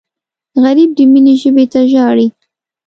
غریب د مینې ژبې ته ژاړي